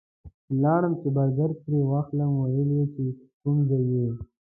لاړم چې برګر ترې واخلم ویل یې د کوم ځای یې؟